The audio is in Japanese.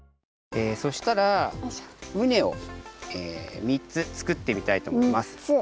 そしたらウネをみっつ作ってみたいとおもいます。